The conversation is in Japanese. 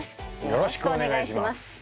よろしくお願いします